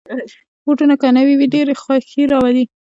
بوټونه که نوې وي، ډېر خوښي راولي.